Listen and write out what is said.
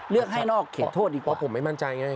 เลือกให้นอกเขตโทษอีกเพราะผมไม่มั่นใจไง